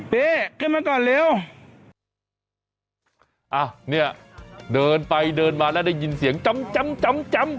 นี่ขึ้นมาก่อนเร็วอ่ะเนี่ยเดินไปเดินมาแล้วได้ยินเสียงจำจำ